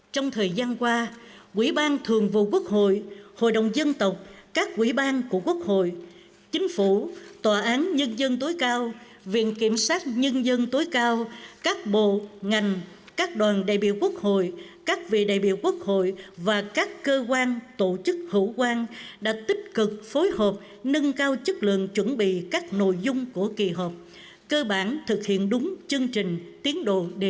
trong thời gian qua quỹ ban thường vụ quốc hội hội đồng dân tộc các quỹ ban của quốc hội chính phủ tòa án nhân dân tối cao viện kiểm sát nhân dân tối cao các bộ ngành các đoàn đại biểu quốc hội các vị đại biểu quốc hội và các cơ quan tổ chức hữu quan đã tích cực phối hợp nâng cao chất lượng chuẩn bị các nội dung của kỳ hợp cơ bản thực hiện đúng chương trình tiến độ đề ra